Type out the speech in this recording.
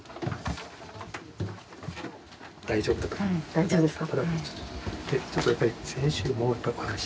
大丈夫ですか。